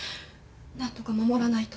何とか守らないと。